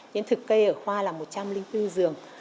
những thực cây ở khoa là một trăm linh bốn dường